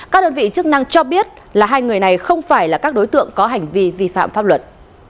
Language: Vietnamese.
các đơn vị chức năng cho biết là hai người này không phải là các đối tượng có hành vi vi phạm pháp luật